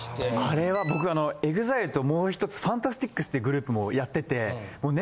あれは僕あのＥＸＩＬＥともう１つＦＡＮＴＡＳＴＩＣＳってグループもやってて。